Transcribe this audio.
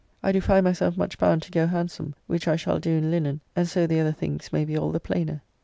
I do find myself much bound to go handsome, which I shall do in linen, and so the other things may be all the plainer.